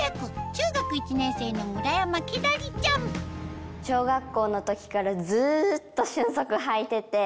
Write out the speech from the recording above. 中学１年生の小学校の時からずっと瞬足履いてて。